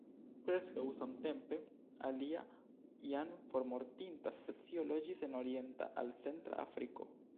Preskaŭ samtempe, alia jam formortinta specio loĝis en orienta al centra Afriko.